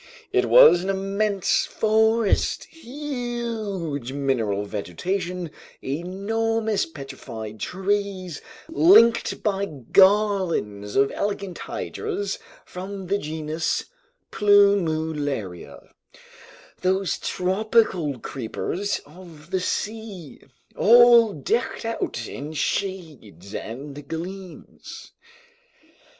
It was an immense forest, huge mineral vegetation, enormous petrified trees linked by garlands of elegant hydras from the genus Plumularia, those tropical creepers of the sea, all decked out in shades and gleams.